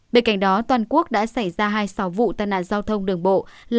bên cạnh đó toàn quốc đã xảy ra hai xóa vụ tàn nạn giao thông đường bộ